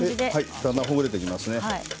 だんだんほぐれてきますね。